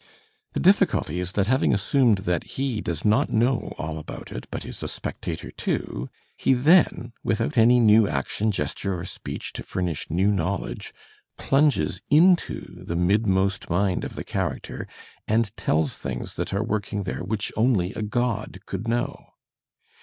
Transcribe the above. The difficulty is that having assumed that he does not know all about it, but is a spectator too, he then, without any new action, gesture or speech to furnish new knowledge, plunges into the midmost mind of the character and tells things that are working there which only a god could know.